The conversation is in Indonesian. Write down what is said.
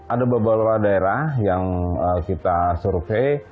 ada beberapa daerah yang kita survei